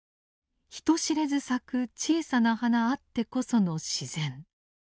人知れず咲く小さな花あってこその自然。